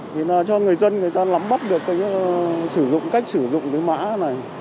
thì là cho người dân người ta lắm bắt được sử dụng cách sử dụng cái mã này